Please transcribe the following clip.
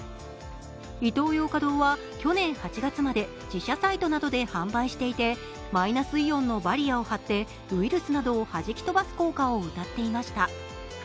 イトーヨーカ堂は去年８月まで自社サイトなどで販売していてマイナスイオンのバリアを張ってウイルスなどを弾き飛ばす効果をうたっていました。